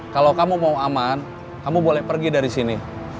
kalau kamu mau aman kamu boleh pergi dari sini